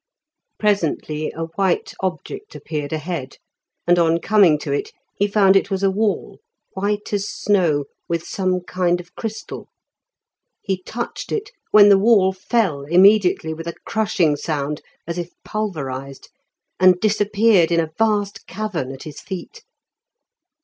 Presently a white object appeared ahead; and on coming to it, he found it was a wall, white as snow, with some kind of crystal. He touched it, when the wall fell immediately, with a crushing sound as if pulverised, and disappeared in a vast cavern at his feet.